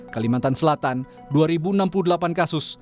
kalimantan selatan dua enam puluh delapan kasus